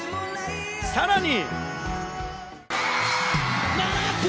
さらに。